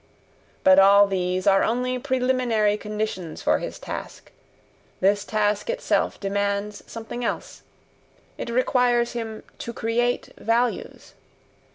But all these are only preliminary conditions for his task; this task itself demands something else it requires him TO CREATE VALUES.